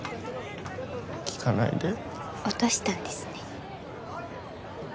聞かないで落としたんですね・